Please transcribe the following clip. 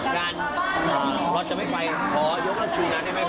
งานเราจะไม่ไปขอยกระชุนงานได้ไหม